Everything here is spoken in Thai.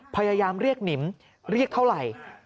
พยายามเรียกหนิมเรียกเท่าไหร่